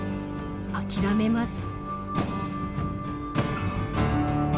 諦めます。